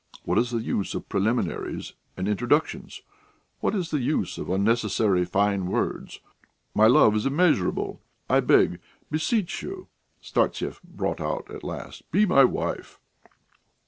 What is the use of preliminaries and introductions? What is the use of unnecessary fine words? My love is immeasurable. I beg, I beseech you," Startsev brought out at last, "be my wife!"